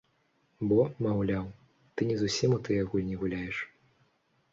Бо, маўляў, ты не зусім у тыя гульні гуляеш.